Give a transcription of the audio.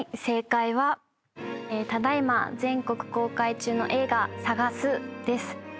正解はただ今全国公開中の映画『さがす』です。